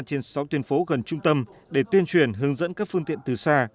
trên sáu tuyến phố gần trung tâm để tuyên truyền hướng dẫn các phương tiện từ xa